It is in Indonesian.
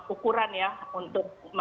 ukuran ya untuk